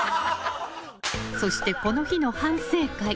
そして、この日の反省会。